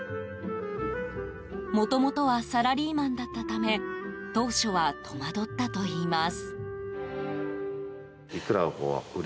もともとはサラリーマンだったため当初は戸惑ったといいます。